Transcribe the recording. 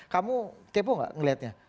kamu kepo gak ngelihatnya